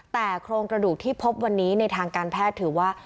แต่โครงกระดูกที่พบวันนี้ในทางการแพทย์ถือว่า